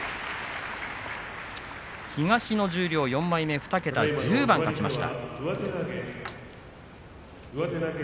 東の十両４枚目２桁１０番勝ちました。